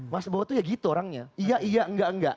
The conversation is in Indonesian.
mas bowo itu ya gitu orangnya iya iya enggak enggak